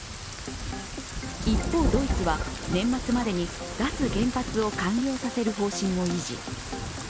一方、ドイツは年末までに脱原発を完了させる方針を維持。